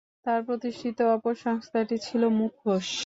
তার প্রতিষ্ঠিত অপর সংস্থাটি ছিল "মুখোশ"।